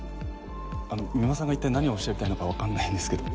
三馬さんが一体何をおっしゃりたいのかわからないんですけど。